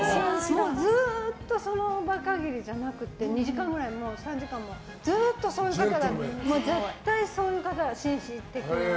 もう、ずっとその場限りじゃなく２時間くらい、３時間もずっとそういう方で絶対そういう方、紳士的な。